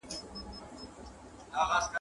را تاو سوی لکه مار پر خزانه وي !.